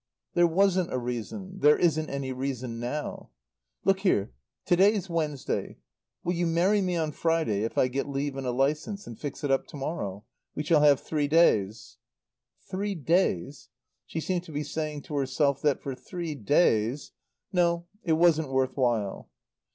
"There wasn't a reason. There isn't any reason now. "Look here to day's Wednesday. Will you marry me on Friday if I get leave and a licence and fix it up tomorrow? We shall have three days." "Three days." She seemed to be saying to herself that for three days No, it wasn't worth while.